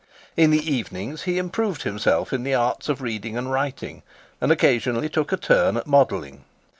In the evenings he improved himself in the arts of reading and writing, and occasionally took a turn at modelling.